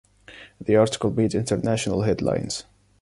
The article made international headlines.